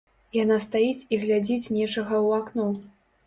Яна стаіць і глядзіць нечага ў акно.